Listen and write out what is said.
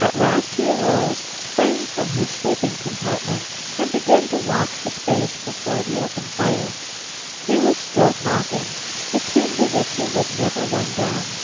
At last he arose, sprang from the sleeping compartment and began to walk the space before the open fire. He was still talking. It seemed as if he would never run down.